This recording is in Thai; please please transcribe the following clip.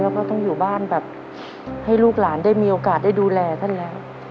แล้วก็ต้องอยู่บ้านแบบให้ลูกหลานได้มีโอกาสได้ดูแลท่านแล้ว